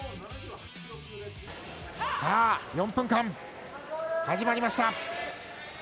さぁ４分間、始まりました。